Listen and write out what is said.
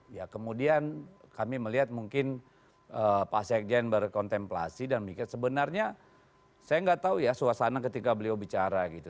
ya kemudian kami melihat mungkin pak sekjen berkontemplasi dan mikir sebenarnya saya nggak tahu ya suasana ketika beliau bicara gitu